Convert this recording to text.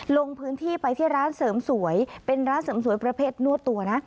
ลงพื้นที่ไปที่ร้านเสริมสวยเป็นร้านเสริมสวยประเภทนวดตัวนะ